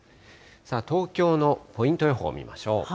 東京のポイント予報を見ましょう。